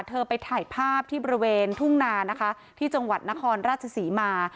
ไปถ่ายภาพที่บริเวณทุ่งนานะคะที่จังหวัดนครราชศรีมา